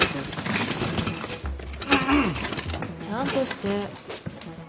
ちゃんとして。